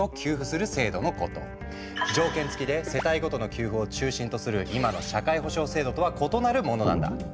条件付きで世帯ごとの給付を中心とする今の社会保障制度とは異なるものなんだ。